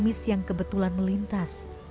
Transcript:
dan pengemis yang kebetulan melintas